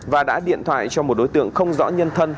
và đã điện thoại cho một đối tượng không rõ nhân thân